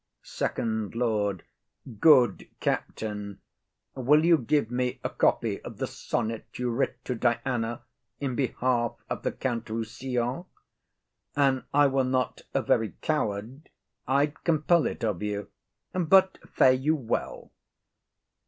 FIRST LORD. Good Captain, will you give me a copy of the sonnet you writ to Diana in behalf of the Count Rossillon? And I were not a very coward I'd compel it of you; but fare you well.